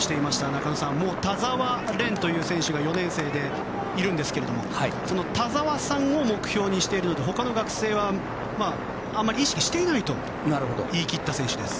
中野さん田澤廉という選手が４年生でいるんですがその田澤さんを目標にしているので他の学生はあまり意識していないと言い切った選手です。